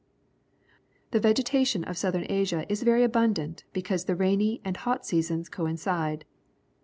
The vegetation of Southern Asia is very abundant because the rainy and hot seasons coincide.